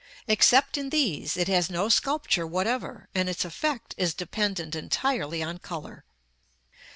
Except in these, it has no sculpture whatever, and its effect is dependent entirely on color.